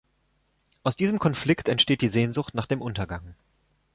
Aus diesem Konflikt entsteht die Sehnsucht nach dem Untergang.